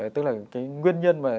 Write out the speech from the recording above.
tức là cái nguyên nhân